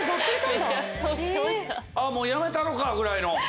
もうやめたろかぐらいの？